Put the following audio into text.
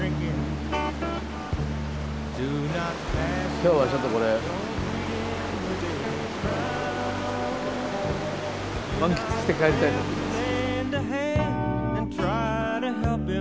今日はちょっとこれ満喫して帰りたいと思います。